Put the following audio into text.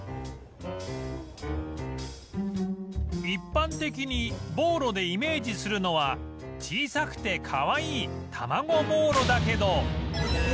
一般的に「ボーロ」でイメージするのは小さくてかわいいたまごボーロだけど